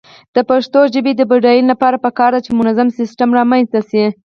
د پښتو ژبې د بډاینې لپاره پکار ده چې منظم سیسټم رامنځته شي.